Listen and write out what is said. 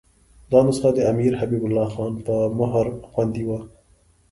دا نسخه د امیر حبیب الله خان په مهر خوندي وه.